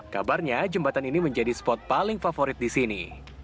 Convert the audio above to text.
kabarnya jembatan ini menjadi spot paling favorit di sini